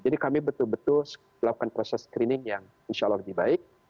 jadi kami betul betul melakukan proses screening yang insya allah lebih baik